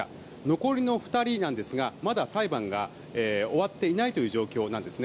残りの２人なんですがまだ裁判が終わっていないという状況なんですね。